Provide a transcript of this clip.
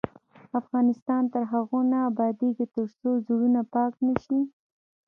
افغانستان تر هغو نه ابادیږي، ترڅو زړونه پاک نشي.